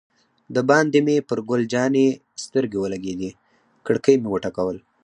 دباندې مې پر ګل جانې سترګې ولګېدې، کړکۍ مې و ټکول.